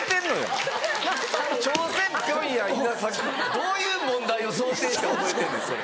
どういう問題を想定して覚えてんねんそれ。